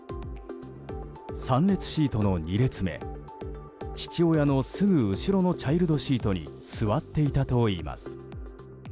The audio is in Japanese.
３列シートの２列目父親のすぐ後ろのチャイルドシートに座っていたといいます。